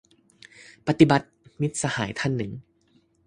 ปฏิบัติ ! - มิตรสหายท่านหนึ่ง